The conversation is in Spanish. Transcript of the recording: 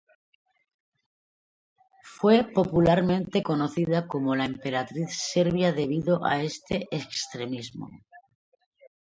Fue popularmente conocida como la emperatriz serbia debido a este extremismo.